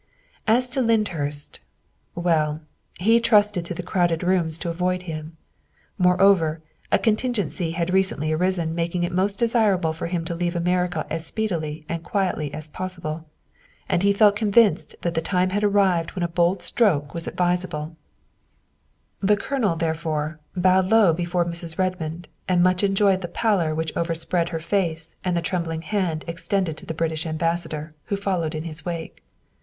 As to Lyndhurst well, he trusted to the crowded rooms to avoid him. Moreover, a contingency had recently arisen making it most desirable for him to leave America as speedily and quietly as possible, and he felt con vinced that the time had arrived when a bold stroke was advisable. 218 THE WIFE OF The Colonel, therefore, bowed low before Mrs. Red mond, and much enjoyed the pallor which overspread her face and the trembling hand extended to the British Ambassador, who followed in his wake.